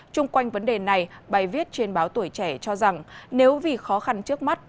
trung quanh vấn đề này bài viết trên báo tuổi trẻ cho rằng nếu vì khó khăn trước mắt